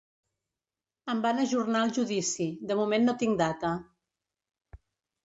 Em van ajornar el judici, de moment no tinc data.